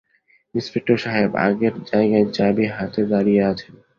Inspector সাহেব আগের জায়গায় চাবি হাতে দাঁড়িয়ে আছেন।